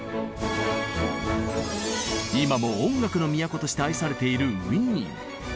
今も音楽の都として愛されているウィーン。